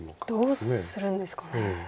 どうするんですかね。